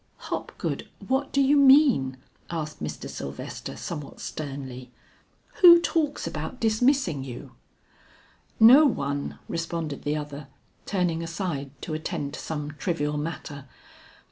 "Hopgood, what do you mean?" asked Mr. Sylvester somewhat sternly. "Who talks about dismissing you?" "No one," responded the other, turning aside to attend to some trivial matter.